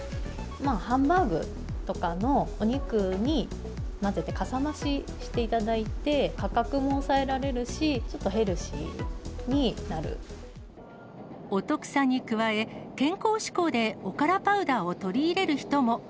ハンバーグとかのお肉に混ぜて、かさ増ししていただいて、価格も抑えられるし、ちょっとヘルシーお得さに加え、健康志向でおからパウダーを取り入れる人も。